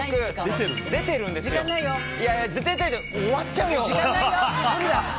終わっちゃうよ。